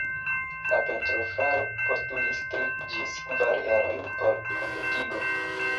La pentrofaro postulis tri ĝis kvar jarojn por kompletigo.